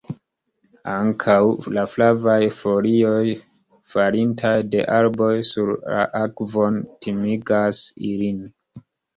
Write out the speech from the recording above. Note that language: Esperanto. Ankaŭ la flavaj folioj, falintaj de arboj sur la akvon timigas ilin.